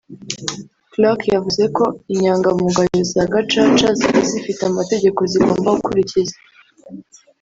Clark yavuze ko Inyangamugayo za Gacaca zari zifite amategeko zigomba gukurikiza